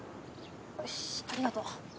よしありがとう。